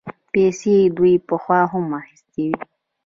پيسې دوی پخوا هم اخيستې وې.